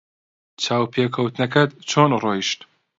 چاوپێکەوتنەکەت چۆن ڕۆیشت؟